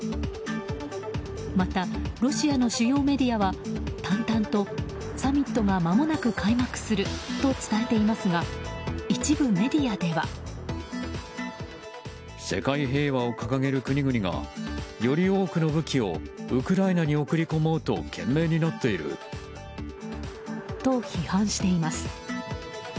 またロシアの主要メディアは淡々とサミットがまもなく開幕すると伝えていますが一部メディアでは。と、批判しています。